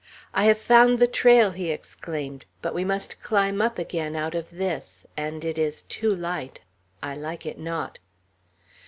"I have found the trail!" he exclaimed; "but we must climb up again out of this; and it is too light. I like it not."